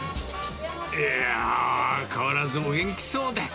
いやー、変わらずお元気そうで。